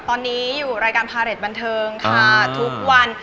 ตอนนี้อยู่รายการพาเรทบันเทิงค่ะทุกวัน